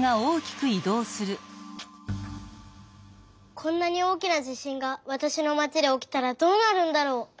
こんなにおおきな地しんがわたしのまちでおきたらどうなるんだろう？